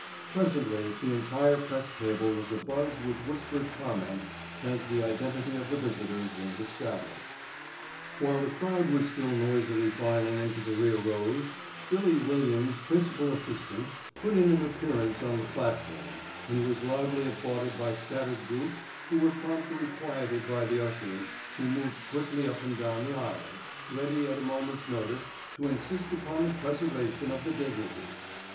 Presently the entire press table was abuzz with whispered comment as the identity of the visitors was established. While the crowd was still noisily filing into the rear rows "Billy" Williams' principal assistant put in an appearance on the platform and was loudly applauded by scattered groups who were promptly quieted by the ushers who moved quickly up and down the aisles, ready at a moment's notice, to insist upon the preservation of the dignities.